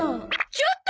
ちょっと！